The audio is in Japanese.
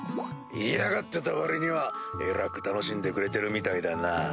嫌がってた割にはえらく楽しんでくれてるみたいだな。